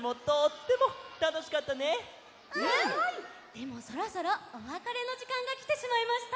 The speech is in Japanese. でもそろそろおわかれのじかんがきてしまいました。